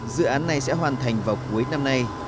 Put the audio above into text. dự án này sẽ hoàn thành vào cuối năm nay